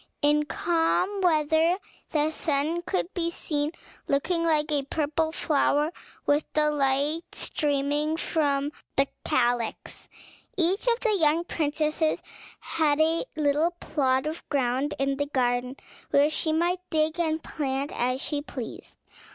In calm weather the sun could be seen, looking like a purple flower, with the light streaming from the calyx. Each of the young princesses had a little plot of ground in the garden, where she might dig and plant as she pleased.